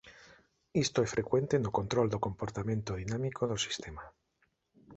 Isto é frecuente no control do comportamento dinámico do sistema.